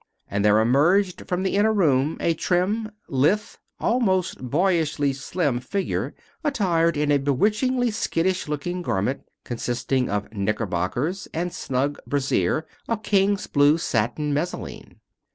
And there emerged from the inner room a trim, lithe, almost boyishly slim figure attired in a bewitchingly skittish looking garment consisting of knickerbockers and snug brassiere of king's blue satin messaline.